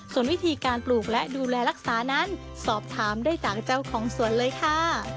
ส่วนวิธีการปลูกและดูแลรักษานั้นสอบถามได้จากเจ้าของสวนเลยค่ะ